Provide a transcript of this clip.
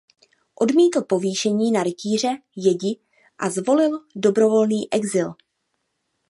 Odmítl povýšení na rytíře Jedi a zvolil dobrovolný exil.